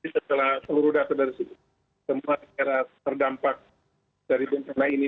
setelah seluruh data dari semua daerah terdampak dari bencana ini